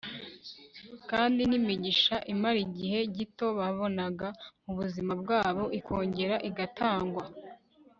kandi nimigisha imara igihe gito babonaga mu buzima bwabo ikongera igatangwa